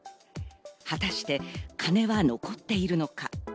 果たして金は残っているのか？